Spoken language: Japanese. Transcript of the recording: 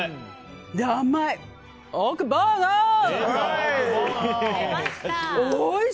甘い。